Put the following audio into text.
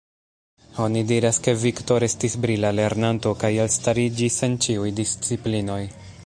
Oni diras ke, Viktor estis brila lernanto, kaj elstariĝis en ĉiuj disciplinoj.